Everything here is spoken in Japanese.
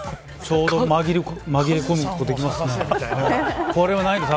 ちょうど紛れ込むことできますね。